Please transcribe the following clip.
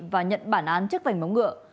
và nhận bản án chấp hành bóng ngựa